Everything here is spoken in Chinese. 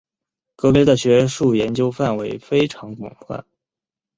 格雷的学术研究范围非常广泛。